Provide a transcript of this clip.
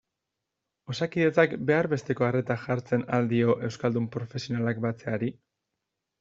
Osakidetzak behar besteko arreta jartzen al dio euskaldun profesionalak batzeari?